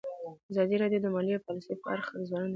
ازادي راډیو د مالي پالیسي په اړه د ځوانانو نظریات وړاندې کړي.